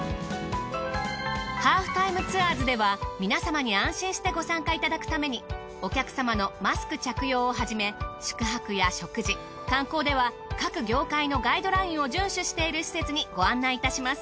『ハーフタイムツアーズ』では皆様に安心してご参加いただくためにお客様のマスク着用をはじめ宿泊や食事観光では各業界のガイドラインを順守している施設にご案内いたします。